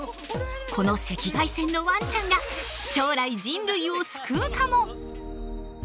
この赤外線のワンちゃんが将来人類を救うかも！？